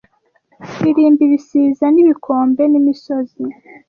Ririmba ibisiza n'ibikombe nimisozi